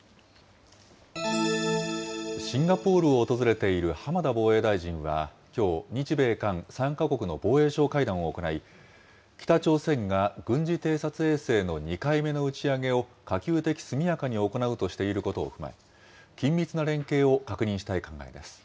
シンガポールを訪れている浜田防衛大臣は、きょう、日米韓３か国の防衛相会談を行い、北朝鮮が軍事偵察衛星の２回目の打ち上げを可及的速やかに行うとしていることを踏まえ、緊密な連携を確認したい考えです。